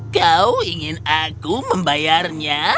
kau ingin aku membayarnya